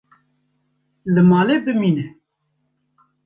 Li malê bimîne.